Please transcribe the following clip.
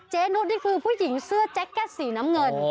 เจ๊นุสนี่คือผู้หญิงเสื้อแจกแก๊สสีน้ำเงิน